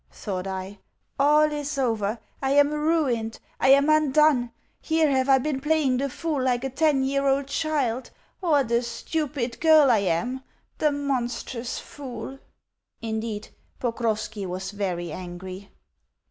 thought I. "All is over! I am ruined, I am undone! Here have I been playing the fool like a ten year old child! What a stupid girl I am! The monstrous fool!" Indeed, Pokrovski was very angry.